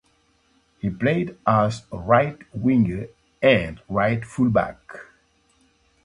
He played as a right winger and right full back.